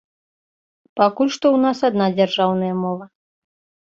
Пакуль што ў нас адна дзяржаўная мова.